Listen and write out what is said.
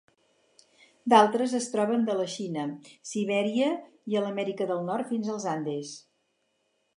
D'altres es troben de la Xina, Sibèria i a l'Amèrica del Nord fins als Andes.